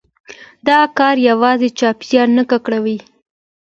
دا کار يوازي چاپېريال نه ککړوي،